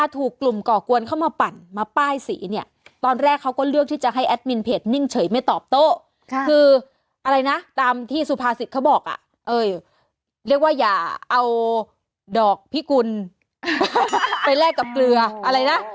ที่ซุภาษิกย์เขาบอกว่าอ่ะเอ่ยเรียกว่าอย่าเอาดอกพิกุลไปแลกกับเกลืออะไรนะ